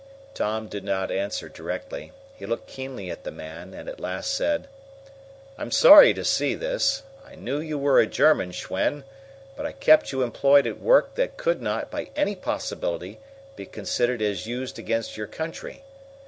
Tom did not answer directly. He looked keenly at the man, and at last said: "I am sorry to see this. I knew you were a German, Schwen, but I kept you employed at work that could not, by any possibility, be considered as used against your country.